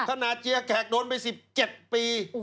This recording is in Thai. นาเจียแขกโดนไป๑๗ปี